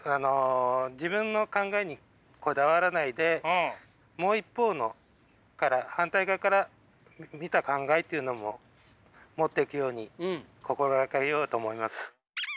自分の考えにこだわらないでもう一方のから反対側から見た考えというのも持っていくように心掛けようと思います。